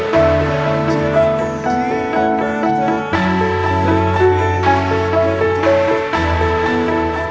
kadang lupa yang udah kamu kuiskan